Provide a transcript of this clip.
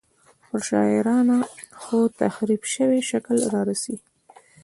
په شاعرانه خو تحریف شوي شکل رارسوي.